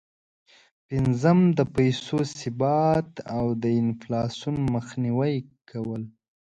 پنځم: د پیسو ثبات او د انفلاسون مخنیوی کول.